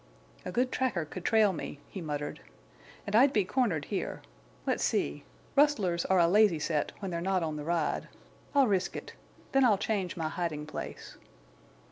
"A good tracker could trail me," he muttered. "And I'd be cornered here. Let's see. Rustlers are a lazy set when they're not on the ride. I'll risk it. Then I'll change my hiding place."